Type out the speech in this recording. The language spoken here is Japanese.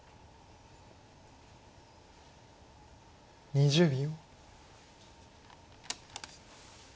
２０秒。